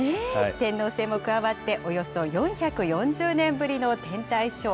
天王星も加わって、およそ４４０年ぶりの天体ショー。